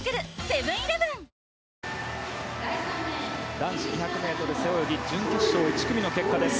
男子２００ｍ背泳ぎ準決勝１組の結果です。